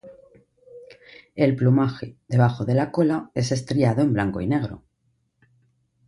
El plumaje debajo de la cola es estriado en blanco y negro.